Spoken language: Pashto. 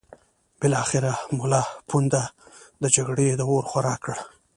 بالاخره ملا پوونده د جګړې د اور خوراک کړ.